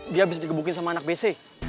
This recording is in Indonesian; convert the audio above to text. dia abis digebukin sama anak bc